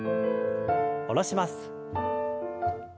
下ろします。